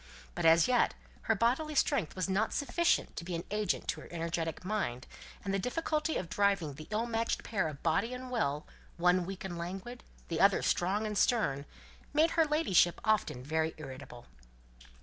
But as yet her bodily strength was not sufficient to be an agent to her energetic mind, and the difficulty of driving the ill matched pair of body and will the one weak and languid, the other strong and stern, made her ladyship often very irritable.